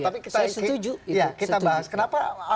tapi kita bahas kenapa